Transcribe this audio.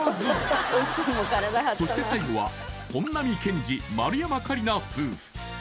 そして最後は本並健治・丸山桂里奈夫婦